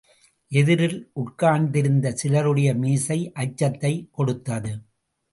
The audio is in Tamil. எதிரில் உட்கார்ந்திருந்த சிலருடைய மீசை அச்சத்தைக் கொடுத்தது.